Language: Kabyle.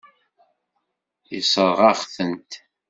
Yessṛeɣ-aɣ-tent.